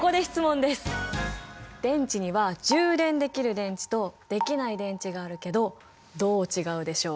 電池には充電できる電池とできない電池があるけどどう違うでしょう？